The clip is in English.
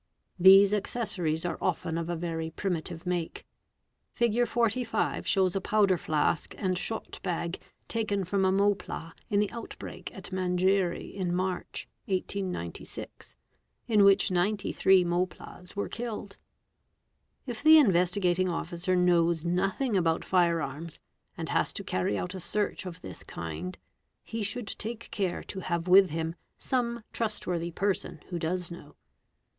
These accessories are often of a very primitive make. ig. 45 shows a powder flask and sh ot bag taken from a Moplah in the out break at Manjeri in March, 1896, in which 93 Moplahs were illed. If the Investigating Officer knows nothing DOU t fire arms and has to carry out a search of this kind, he should take care to have with him some trust vorthy person who does know.